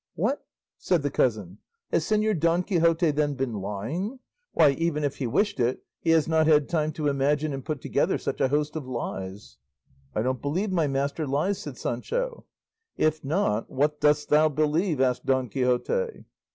"What!" said the cousin, "has Señor Don Quixote, then, been lying? Why, even if he wished it he has not had time to imagine and put together such a host of lies." "I don't believe my master lies," said Sancho. "If not, what dost thou believe?" asked Don Quixote.